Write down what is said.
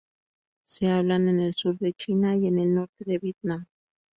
Se hablan en el sur de China y en el norte de Vietnam.